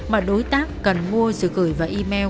mà đối tác cần mua giữ gửi và email